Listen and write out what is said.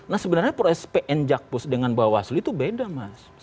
nah sebenarnya proses pn jakpus dengan bawaslu itu beda mas